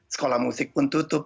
sekolah musik pun tutup